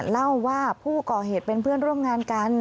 เล่าว่าผู้ก่อเหตุเป็นเพื่อนร่วมงานกัน